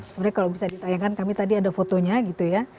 sebenarnya kalau bisa ditayangkan kami tadi ada fotonya gitu ya